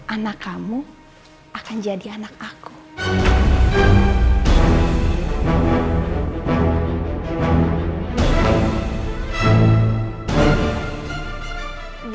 anak kamu akan dianggap sebagai anaknya afif